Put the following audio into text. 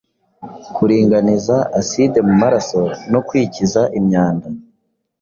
kuringaniza aside mu maraso no kwikiza imyanda